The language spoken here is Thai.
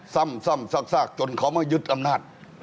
ซ้ำซากจนเขามายึดอำนาจ